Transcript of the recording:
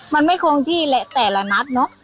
มันไม่คงที่แหละแต่ละนัดเนอะ